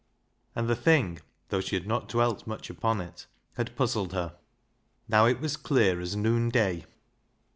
And the thing, though she had not dwelt much upon it, had puzzled her. Now it was clear as noonday.